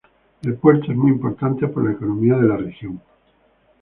El puerto es muy importante por la economía de la región.